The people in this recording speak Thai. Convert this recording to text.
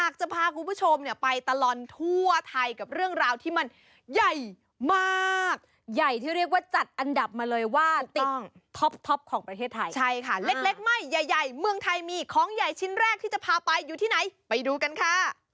ของใหญ่ชิ้นแรกที่จะพาไปอยู่ที่ไหนไปดูกันค่ะ